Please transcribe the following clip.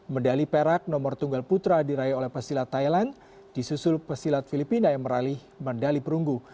medali perak nomor tunggal putra diraih oleh pesilat thailand disusul pesilat filipina yang meraih medali perunggu